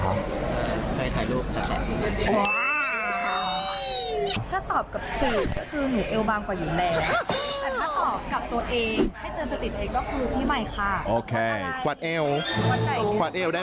ถ้าตอบกับสิทธิ์คือหนูเอวบางกว่ายังไง